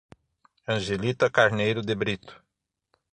Angelita Carneiro de Brito